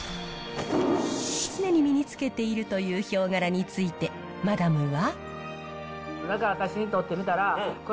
常に身に着けているというヒョウ柄について、マダムは。